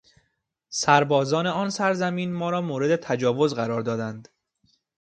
سربازان آنان سرزمین ما را مورد تجاوز قرار دادند.